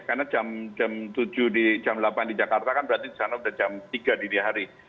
karena jam tujuh jam delapan di jakarta kan berarti di sana sudah jam tiga di hari